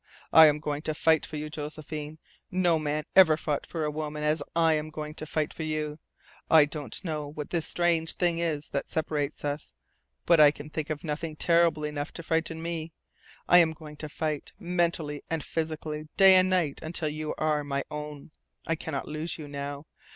"I am going to fight for you, Josephine. No man ever fought for a woman as I am going to fight for you. I don't know what this strange thing is that separates us. But I can think of nothing terrible enough to frighten me. I am going to fight, mentally and physically, day and night until you are my own. I cannot lose you now.